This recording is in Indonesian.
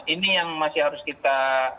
ini yang masih harus kita